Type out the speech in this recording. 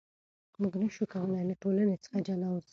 موږ نشو کولای له ټولنې څخه جلا اوسو.